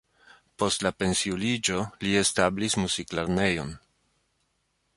Post la pensiuliĝo li establis muziklernejon.